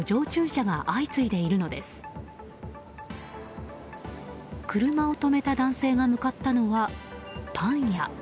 車を止めた男性が向かったのはパン屋。